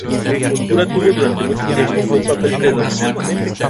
La agricultura tuvo durante mucho tiempo un papel predominante.